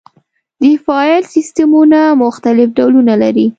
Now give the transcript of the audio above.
د فایل سیستمونه مختلف ډولونه لري.